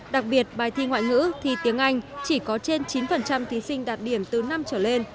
đặc biệt bài thi ngoại ngữ thi tiếng anh chỉ có trên chín thí sinh đạt điểm từ năm trở lên